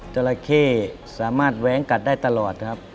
จราเข้สามารถแว้งกัดได้ตลอดครับ